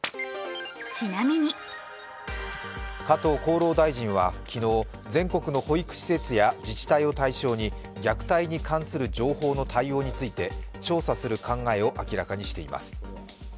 加藤厚労大臣は昨日、全国の保育施設や自治体を対象に虐待に関する情報の対応について調査する考えを明らかにしています。